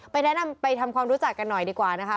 แนะนำไปทำความรู้จักกันหน่อยดีกว่านะคะ